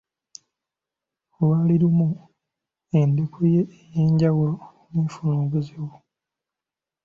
Lwali lumu endeku ye ey'enjawulo n'efuna obuzibu.